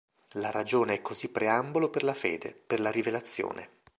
La ragione è così preambolo per la fede, per la rivelazione.